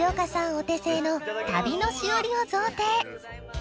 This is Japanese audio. お手製の旅のしおりを贈呈！